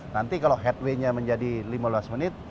nanti kalau headway nya menjadi lima belas menit